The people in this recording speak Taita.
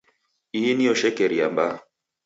Ihi nio shekeria mbaa.